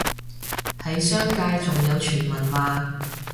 喺商界仲有傳聞話